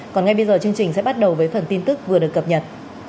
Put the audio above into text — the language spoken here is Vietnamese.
còn ngay bây giờ chương trình sẽ bắt đầu với phần tin tức vừa được cập nhật